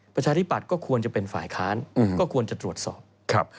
ประชาธิปัตย์ก็ควรจะเป็นฝ่ายค้านก็ควรจะตรวจสอบครับ